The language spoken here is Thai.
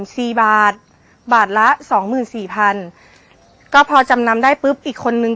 สี่บาทบาทบาทละสองหมื่นสี่พันก็พอจำนำได้ปุ๊บอีกคนนึง